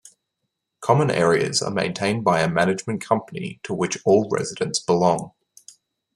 Common areas are maintained by a management company to which all residents belong.